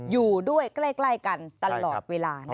อยู่ด้วยใกล้กันตลอดเวลานะครับ